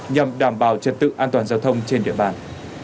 nhằm đảm bảo trật tự an toàn giao thông trên địa bàn